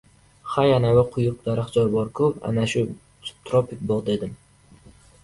— Hay, anavi quyuq daraxtzor bor-ku, ana shu subtropik bog‘, — dedim.